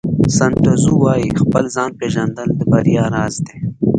سن ټزو وایي خپل ځان پېژندل د بریا راز دی.